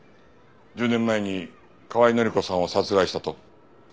１０年前に河合範子さんを殺害したと？